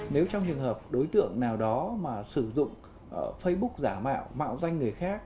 nếu trong trường hợp đối tượng nào đó mà sử dụng facebook giả mạo mạo danh người khác